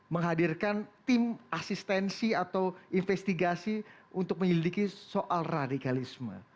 menghadirkan tim asistensi atau investigasi untuk menyelidiki soal radikalisme